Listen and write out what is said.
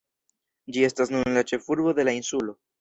Ĝi estas nun la ĉefurbo de la insulo.